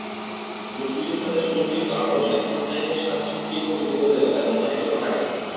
মুক্তিযোদ্ধাদের সম্মিলিত আক্রমণে পাকিস্তানিদের সাতটি স্পিডবোটই ডুবে গেল এবং অনেকে মারা গেল।